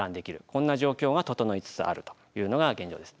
こんな状況が整いつつあるというのが現状です。